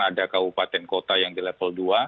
ada kabupaten kota yang di level dua